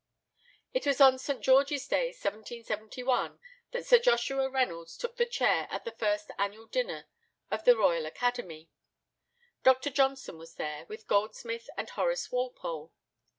It was on St. George's Day, 1771, that Sir Joshua Reynolds took the chair at the first annual dinner of the Royal Academy. Dr. Johnson was there, with Goldsmith and Horace Walpole.